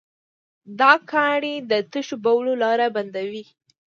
دا کاڼي د تشو بولو لاره بندوي.